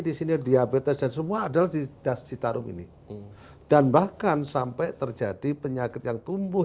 di sini diabetes dan semua adalah di das citarum ini dan bahkan sampai terjadi penyakit yang tumbuh